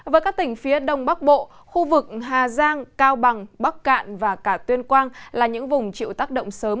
với các tỉnh phía đông bắc bộ khu vực hà giang cao bằng bắc cạn và cả tuyên quang là những vùng chịu tác động sớm